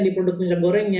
di produk minyak gorengnya